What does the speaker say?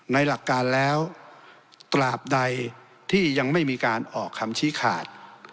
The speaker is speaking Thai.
หลักการแล้วตราบใดที่ยังไม่มีการออกคำชี้ขาด